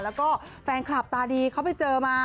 แล้วก็แฟนคลับตาดีเขาไปเจอมา